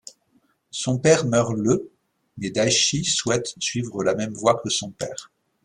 Son père meurt le mais Daichi souhaite suivre la même voie que son père.